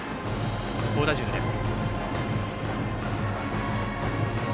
好打順です。